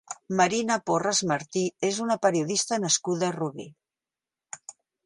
Marina Porras Martí és una periodista nascuda a Rubí.